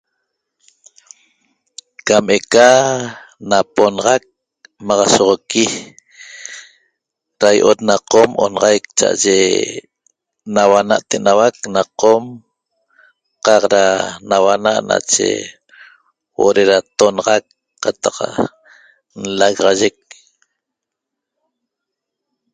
Cameca naponaxaq maxasogueqpi taiaoot na qom onaxaic chaye nauana enauaq na qom cac da nauana nache huoo na ntonaxaq cataq l'laxayeq